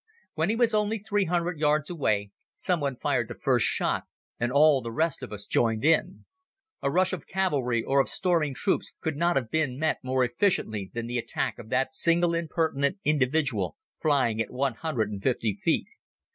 When he was only three hundred yards away someone fired the first shot and all the rest of us joined in. A rush of cavalry or of storming troops could not have been met more efficiently than the attack of that single impertinent individual flying at one hundred and fifty feet.